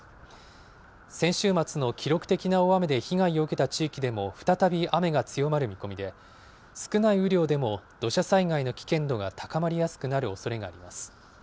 先週末の記録的な大雨で被害を受けた地域でも再び雨が強まる見込みで、少ない雨量でも土砂災害の危険度が高まりやすくなるおそれがあります。